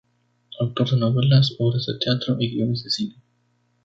Autor de novelas, obras de teatro y guiones de cine.